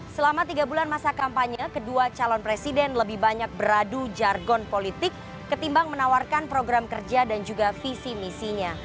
selama tiga bulan masa kampanye kedua calon presiden lebih banyak beradu jargon politik ketimbang menawarkan program kerja dan juga visi misinya